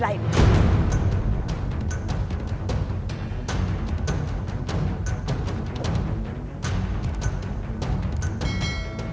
dia hasil perkosaan